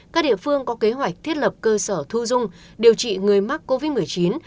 các địa phương có kế hoạch thiết lập cơ sở thu dung điều trị người mắc covid một mươi chín